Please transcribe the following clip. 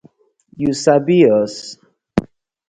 Yu sabi us?